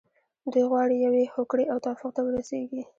دوی غواړي یوې هوکړې او توافق ته ورسیږي.